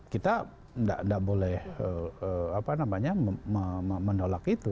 kita tidak boleh menolak itu